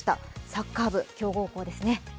サッカー部、強豪校ですね。